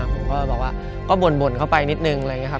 ผมก็บอกว่าก็บ่นเข้าไปนิดนึงอะไรอย่างนี้ครับ